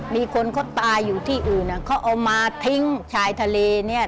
มีคนเขาตายอยู่ที่อื่นเขาเอามาทิ้งชายทะเลเนี่ย